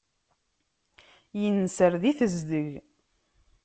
Innser di tezdeg.